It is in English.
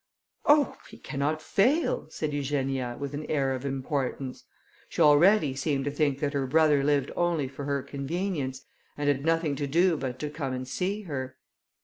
"Oh! he cannot fail," said Eugenia, with an air of importance; she already seemed to think that her brother lived only for her convenience, and had nothing to do but to come and see her.